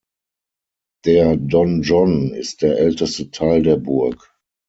Der Donjon ist der älteste Teil der Burg.